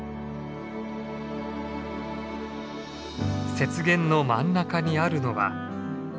雪原の真ん中にあるのは。